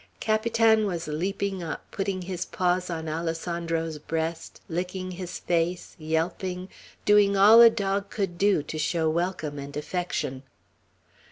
Capitan was leaping up, putting his paws on Alessandro's breast, licking his face, yelping, doing all a dog could do, to show welcome and affection.